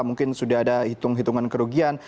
mungkin sudah ada hitung hitungan kerugian